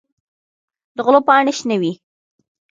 د غلو پاڼې شنه وي.